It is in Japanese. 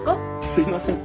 すいません。